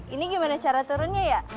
ini gimana cara turunnya ya